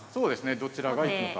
どちらが行くか。